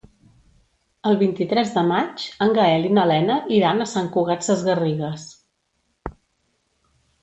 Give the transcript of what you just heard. El vint-i-tres de maig en Gaël i na Lena iran a Sant Cugat Sesgarrigues.